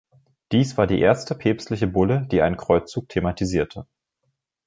Dies war die erste päpstliche Bulle, die einen Kreuzzug thematisierte.